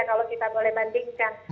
kalau kita boleh bandingkan